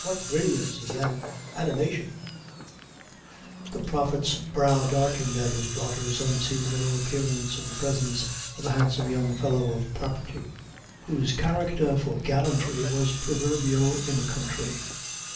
what brilliancy and animation!" [Illustration: PAGE 834 The Prophet's brow darkened] The Prophet's brow darkened at his daughter's unseasonable appearance in the presence of a handsome young fellow of property, whose character for gallantry was proverbial in the country.